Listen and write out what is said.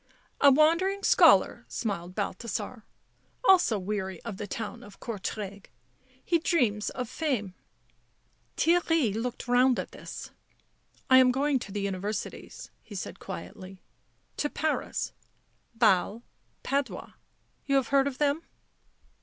" A wandering scholar," smiled Balthasar. " Also weary of the town of Courtrai. He dreams of fame." Theirry looked round at this. "I am going to the Universities," he said quietly. " To Paris, Basle, Padua —you have heard of them?"